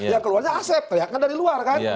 ya keluarnya asep teriaknya dari luar kan